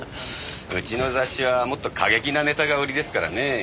うちの雑誌はもっと過激なネタが売りですからね。